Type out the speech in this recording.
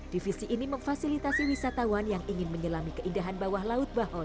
divisi ini memfasilitasi wisatawan yang ingin menyelami keindahan bawah laut baho